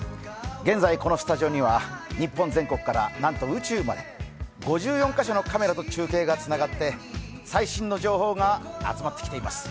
現在このスタジオには日本全国から宇宙まで５４カ所のカメラと中継がつながって最新の情報が集まってきています。